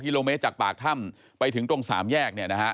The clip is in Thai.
กิโลเมตรจากปากถ้ำไปถึงตรงสามแยกเนี่ยนะฮะ